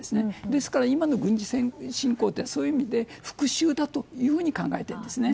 ですから今の軍事侵攻というのはそういう意味で復讐だと考えているんですね。